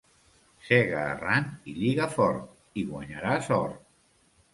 Sega arran i lliga fort i guanyaràs or.